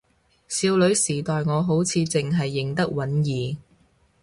少女時代我好似淨係認得允兒